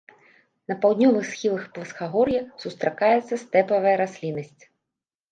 На паўднёвых схілах пласкагор'я сустракаецца стэпавая расліннасць.